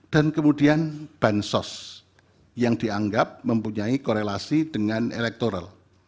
dan kemudian bansos yang dianggap mempunyai korelasi dengan elektoral